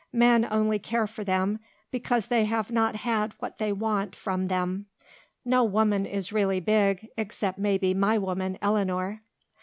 Men only care for them because they have not had what they want from them. No woman is really big except maybe my woman, Eleanor."